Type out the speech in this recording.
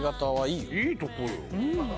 いいとこよ。